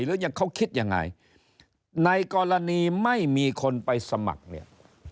หรือยังเขาคิดยังไงในกรณีไม่มีคนไปสมัครเนี่ย